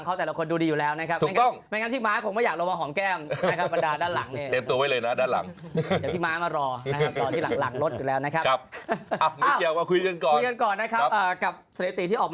กับเสธตีที่ออกมาตอนนี้นะครับ